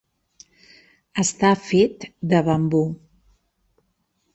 Està fet de bambú.